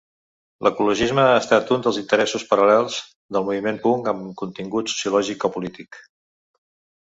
L'ecologisme ha estat un dels interessos paral·lels del moviment punk amb contingut sociològic o polític.